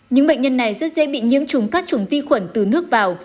những bệnh nhân này rất dễ bị nhiễm trùng các chủng vi khuẩn từ nước vào